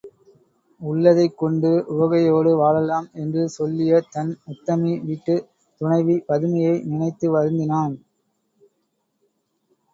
உள்ளதைக் கொண்டு உவகையோடு வாழலாம் என்று சொல்லிய தன் உத்தமி வீட்டுத் துணைவி பதுமையை நினைத்து வருந்தினான்.